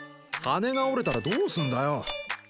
羽が折れたらどうすんだよ。